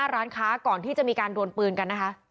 ร้านค้าก่อนที่จะมีการดวนปืนกันนะคะ